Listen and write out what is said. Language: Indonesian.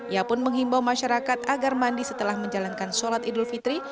ia pun menghimbau masyarakat agar mandi setelah menjalankan sholat idul fitri